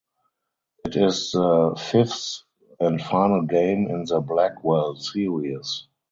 It is the fifth and final game in the "Blackwell" series.